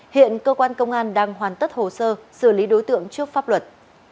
hiện cơ quan công an đang hoàn tất hồ sơ xử lý đối tượng trước pháp luật